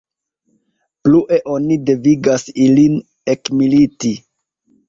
Plue oni devigas ilin ekmiliti.